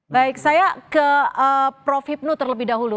baik saya ke prof hipnu terlebih dahulu